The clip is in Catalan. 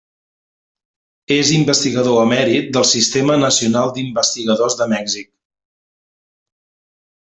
És investigador emèrit del Sistema Nacional d'Investigadors de Mèxic.